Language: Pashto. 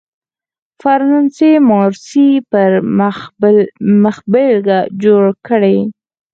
فرانسې مارسي پر مخبېلګه جوړ کړی.